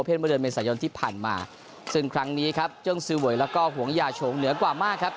เพลงบริเวณเมืองสายนที่ผ่านมาซึ่งครั้งนี้ครับเจ้งสื่อเวย์แล้วก็ห่วงหญ่าโฉงเหนือกว่ามากครับ